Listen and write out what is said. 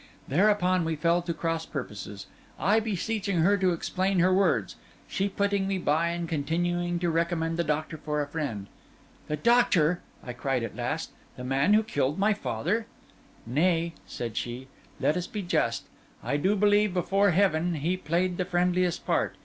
Thereupon we fell to cross purposes: I beseeching her to explain her words; she putting me by, and continuing to recommend the doctor for a friend. 'The doctor!' I cried at last; 'the man who killed my father?' 'Nay,' said she, 'let us be just. I do believe before, Heaven, he played the friendliest part.